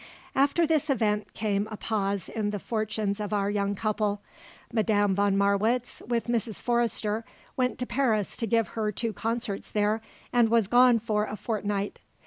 After this event came a pause in the fortunes of our young couple. Madame von Marwitz, with Mrs. Forrester, went to Paris to give her two concerts there and was gone for a fortnight.